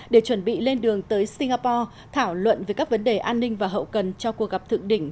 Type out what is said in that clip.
để chuẩn bị lên đường tới singapore thảo luận về các vấn đề an ninh và hậu cần cho cuộc gặp thượng đỉnh